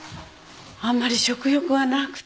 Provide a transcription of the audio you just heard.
あんまり食欲がなくて。